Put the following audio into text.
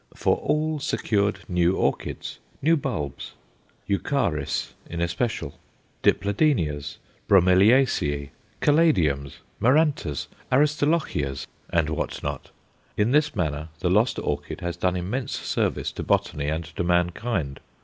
For all secured new orchids, new bulbs Eucharis in especial Dipladenias, Bromeliaceæ, Calladiums, Marantas, Aristolochias, and what not. In this manner the lost orchid has done immense service to botany and to mankind.